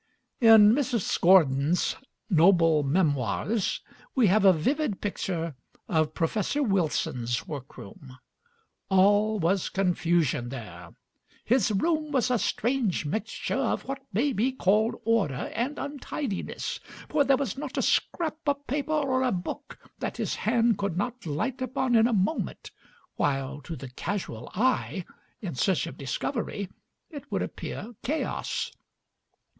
In Mrs. Gordon's noble "Memoirs" we have a vivid picture of Professor Wilson's workroom. All was confusion there: "his room was a strange mixture of what may be called order and untidiness, for there was not a scrap of paper or a book that his hand could not light upon in a moment, while to the casual eye, in search of discovery, it would appear chaos."